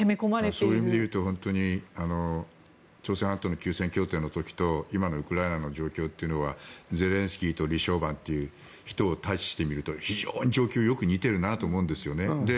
そういう意味でいうと朝鮮半島の休戦協定の時と今のウクライナの状況はゼレンスキーと李承晩という人を対比してみると、状況がよく似ているなと思うんですね。